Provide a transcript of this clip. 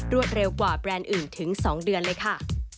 เร็วกว่าแบรนด์อื่นถึง๒เดือนเลยค่ะ